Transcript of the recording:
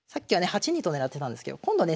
８二と金狙ってたんですけど今度ね